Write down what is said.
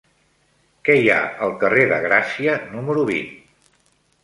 Què hi ha al carrer de Gràcia número vint?